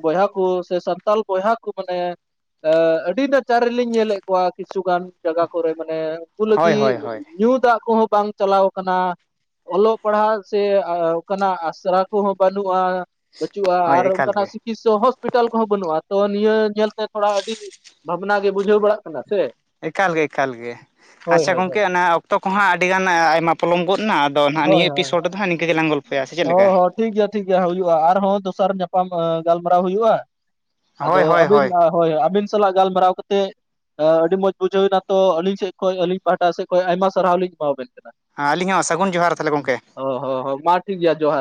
ᱵᱚᱭᱦᱟ ᱠᱚ ᱥᱮ ᱥᱟᱱᱛᱟᱞ ᱵᱚᱭᱦᱟ ᱠᱚ ᱢᱟᱱᱮ ᱟᱹᱰᱤ ᱱᱟᱪᱟᱨ ᱨᱮᱞᱤᱧ ᱧᱮᱞᱮᱫ ᱠᱚᱣᱟ ᱠᱤᱪᱷᱩ ᱜᱟᱱ ᱡᱟᱭᱜᱟ ᱠᱚᱨᱮ ᱢᱟᱱᱮ ᱩᱱᱠᱩ ᱦᱳᱭ ᱦᱳᱭ ᱞᱟᱹᱜᱤᱫ ᱦᱳᱭ ᱧᱩ ᱫᱟᱜ ᱠᱚᱦᱚᱸ ᱵᱟᱝ ᱪᱟᱞᱟᱣ ᱠᱟᱱᱟ ᱚᱞᱚᱜ ᱯᱟᱲᱦᱟᱜ ᱥᱮ ᱠᱟᱱᱟᱜ ᱟᱥᱨᱟ ᱠᱚᱦᱚᱸ ᱵᱟᱹᱱᱩᱜᱼᱟ ᱦᱩᱜᱼᱟ ᱦᱳᱭ ᱟᱨ ᱮᱠᱟᱞ ᱚᱱᱠᱟᱱᱟᱜ ᱜᱮ ᱪᱤᱠᱤᱥᱥ ᱦᱚᱥᱯᱤᱴᱟᱞ ᱠᱚᱦᱚᱸ ᱵᱟᱹᱱᱩᱜᱼᱟ ᱛᱚ ᱱᱤᱭᱟᱹ ᱧᱮᱞᱛᱮ ᱛᱷᱚᱲᱟ ᱟᱹᱰᱤ ᱵᱷᱟᱵᱽᱱᱟ ᱜᱮ ᱵᱩᱡᱷᱟᱹᱣᱲᱟᱜ ᱠᱟᱱᱟ ᱥᱮ ᱮᱠᱟᱞᱜᱮ ᱮᱠᱟᱞ ᱜᱮ ᱦᱳᱭ ᱟᱪᱪᱷᱟ ᱦᱳᱭ ᱜᱚᱝᱠᱮ ᱦᱳᱭ ᱚᱱᱟ ᱚᱠᱛᱚ ᱠᱚᱦᱟᱸ ᱟᱹᱰᱤᱜᱟᱱ ᱟᱭᱢᱟ ᱯᱚᱞᱚᱢ ᱜᱚᱫ ᱮᱱᱟ ᱟ ᱟᱫᱚ ᱱᱟᱦᱟᱜ ᱦᱳᱭ ᱱᱤᱭᱟᱹ ᱦᱳᱭ ᱮᱯᱤᱥᱰ ᱨᱮᱫᱚᱦᱟᱜ ᱱᱤᱠᱟᱹ ᱜᱮᱞᱟᱝ ᱜᱚᱞᱯᱷᱚᱭᱟ ᱥᱮ ᱪᱮᱫ ᱦᱚᱸ ᱞᱮᱠᱟ ᱦᱚᱸ ᱴᱷᱤᱠ ᱜᱮᱭᱟ ᱴᱷᱤᱠ ᱜᱮᱭᱟ ᱦᱩᱭᱩᱜᱼᱟ ᱟᱨᱦᱚᱸ ᱫᱚᱥᱟᱨ ᱧᱟᱯᱟᱢ ᱜᱟᱞᱢᱟᱨᱟᱣ ᱦᱩᱭᱩᱜᱼᱟ ᱦᱳᱭ ᱟᱫᱚ ᱦᱳᱭ ᱟᱹᱵᱤᱱ ᱦᱳᱭ ᱟᱹᱵᱤᱱ ᱥᱟᱞᱟᱜ ᱜᱟᱞᱢᱟᱨᱟᱣ ᱠᱟᱛᱮ ᱟᱹᱰᱤ ᱢᱚᱸᱡᱽ ᱵᱩᱡᱷᱟᱹᱣ ᱮᱱᱟ ᱛᱚ ᱟᱹᱞᱤᱧ ᱥᱮᱡ ᱠᱷᱚᱱ ᱟᱹᱞᱤᱧ ᱯᱟᱦᱴᱟ ᱥᱮᱫ ᱠᱷᱚᱱ ᱟᱭᱢᱟ ᱥᱟᱨᱦᱟᱣ ᱞᱤᱧ ᱮᱢᱟᱵᱮᱱ ᱠᱟᱱᱟ ᱮᱸᱞᱤᱧ ᱦᱚᱸ ᱥᱟᱹᱜᱩᱱ ᱡᱚᱦᱟᱨ ᱛᱟᱦᱚᱞᱮ ᱜᱚᱝᱠᱮ ᱚ ᱦᱚᱸ ᱦᱚᱸ ᱢᱟ ᱴᱷᱤᱠᱜ ᱜᱮᱭᱟ ᱡᱚᱦᱟᱨ